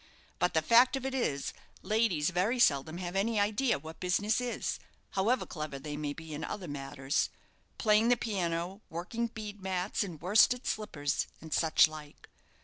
But the fact of it is, ladies very seldom have any idea what business is: however clever they may be in other matters playing the piano, working bead mats and worsted slippers, and such like.